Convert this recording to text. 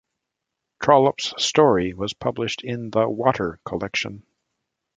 Trollope's story was published in the 'Water' collection.